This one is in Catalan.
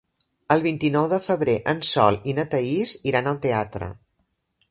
El vint-i-nou de febrer en Sol i na Thaís iran al teatre.